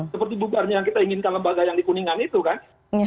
seperti bubarnya yang kita inginkan lembaga yang di kuningan itu kan